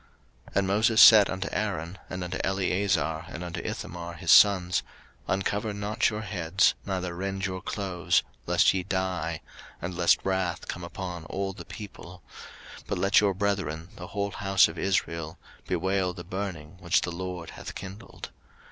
03:010:006 And Moses said unto Aaron, and unto Eleazar and unto Ithamar, his sons, Uncover not your heads, neither rend your clothes; lest ye die, and lest wrath come upon all the people: but let your brethren, the whole house of Israel, bewail the burning which the LORD hath kindled.